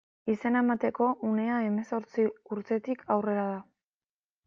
Izena emateko unea hemezortzi urtetik aurrera da.